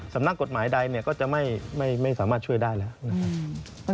สำนักกฎหมายใดเนี่ยก็จะไม่สามารถช่วยได้แล้วนะครับ